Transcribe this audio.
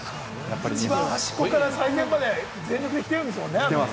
一番端っこから最前まで、全力で来てるんですもんね。